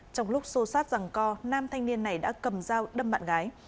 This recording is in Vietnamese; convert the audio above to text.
trong lúc xô sát rằng co nam thanh niên này đã cầm dao đâm bạn gái